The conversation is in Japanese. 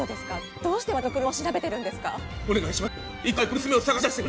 どうして私の車を調べてるんですか！？